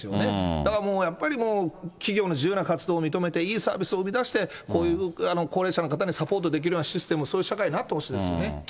だからもうやっぱり、企業の自由な活動を認めて、いいサービスを生み出して、こういう高齢者の方にサポートできるようなシステムを、そういう社会になってほしいですよね。